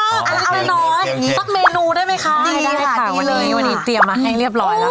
เอาละเอาละนิดหน่อยสักเมนูได้ไหมคะได้ค่ะวันนี้วันนี้เตรียมมาให้เรียบร้อยแล้วค่ะ